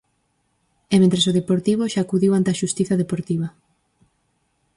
E mentres o Deportivo, xa acudiu ante a xustiza Deportiva.